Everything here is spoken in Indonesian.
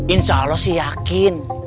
insya allah sih yakin